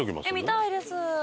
見たいです。